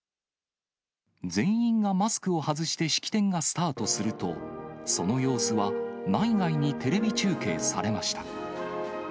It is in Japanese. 全員がマスクを外して式典がスタートすると、その様子は内外にテレビ中継されました。